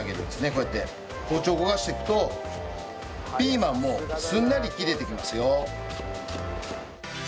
こうやって包丁を動かしていくとピーマンもすんなり切れていきますよ。